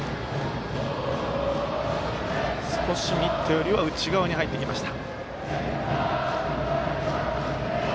少しミットよりは内側に入ってきました。